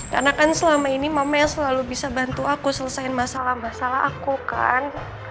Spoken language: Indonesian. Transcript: karena kan selama ini mama yang selalu bisa bantu aku selesain masalah masalah aku kan